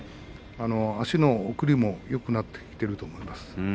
足の送りもよくなってきていると思います。